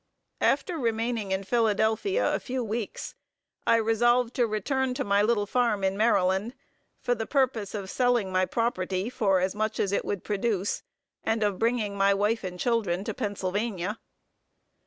After remaining in Philadelphia a few weeks, I resolved to return to my little farm in Maryland, for the purpose of selling my property for as much as it would produce, and of bringing my wife and children to Pennsylvania.